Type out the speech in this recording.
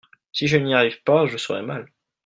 si je n'y arrive pas je serai mal.